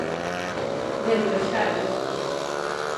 De aniversario.